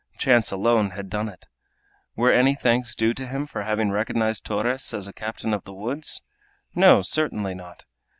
Chance alone had done it. Were any thanks due to him for having recognized Torres as a captain of the woods? No, certainly not.